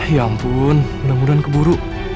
ya ampun mudah mudahan keburu